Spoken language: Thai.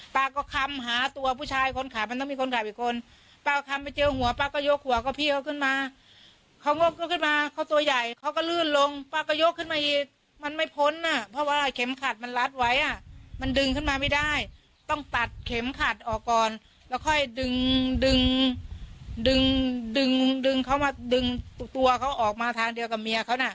ป้าก็คำหาตัวผู้ชายคนขับมันต้องมีคนขับอีกคนป้าคำไปเจอหัวป้าก็ยกหัวก็พี่เขาขึ้นมาเขางบก็ขึ้นมาเขาตัวใหญ่เขาก็ลื่นลงป้าก็ยกขึ้นมาอีกมันไม่พ้นอ่ะเพราะว่าเข็มขัดมันรัดไว้อ่ะมันดึงขึ้นมาไม่ได้ต้องตัดเข็มขัดออกก่อนแล้วค่อยดึงดึงดึงดึงเขามาดึงตัวเขาออกมาทางเดียวกับเมียเขาน่ะ